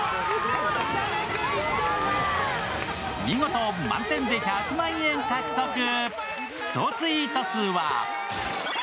見事、満点で１００万円獲得。